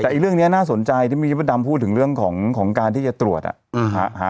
แต่เรื่องนี้น่าสนใจที่เมื่อกี้พระดำพูดถึงเรื่องของการที่จะตรวจ